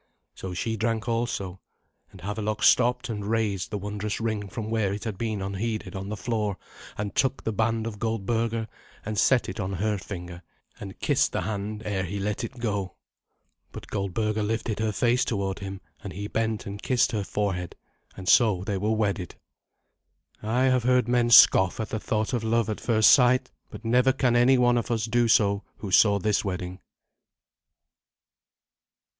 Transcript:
So she drank also, and Havelok stopped and raised the wondrous ring from where it had been unheeded on the floor, and took the band of Goldberga, and set it on her finger, and kissed the hand ere he let it go. But Goldberga lifted her face toward him, and he bent and kissed her forehead, and so they were wedded. I have heard men scoff at the thought of love at first sight, but never can any one of us do so who saw this wedding.